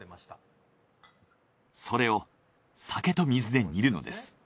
それを酒と水で煮るのです。